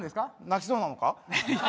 泣きそうなのか？